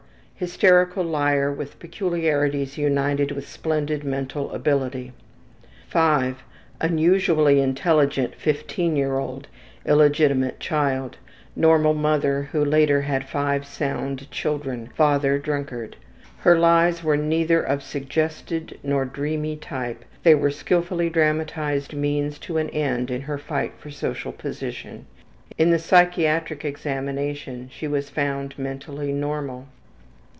Hysterical liar with peculiarities united with splendid mental ability. V. Unusually intelligent, 15 years old, illegitimate child; normal mother who later had five sound children; father drunkard. Her lies were neither of suggested nor dreamy type, they were skillfully dramatized means to an end in her fight for social position. In the psychiatric examination she was found mentally normal.